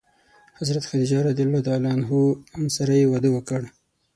حضرت خدیجه رض سره یې واده وکړ.